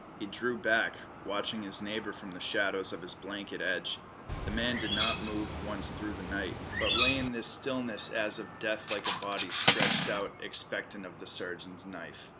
He drew back, watching his neighbor from the shadows of his blanket edge. The man did not move once through the night, but lay in this stillness as of death like a body stretched out expectant of the surgeon's knife.